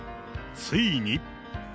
ついに。